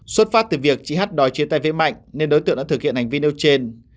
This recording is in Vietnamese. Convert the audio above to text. xuất phát từ việc chị hòi chia tay với mạnh nên đối tượng đã thực hiện hành vi nêu trên